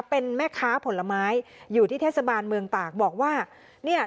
เป็นแม่ค้าผลไม้อยู่ที่เทศบาลเมืองตากบอกว่าเนี่ย